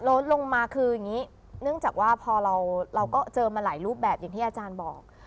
ลดลงมาคืออย่างนี้เนื่องจากว่าพอเราก็เจอมาหลายรูปแบบอย่างที่อาจารย์บอก